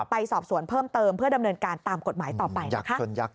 ไปสอบสวนเพิ่มเติมเพื่อดำเนินการตามกฎหมายต่อไปนะครับ